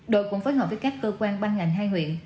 đội cũng phối hợp với các cơ quan ban ngành hai huyện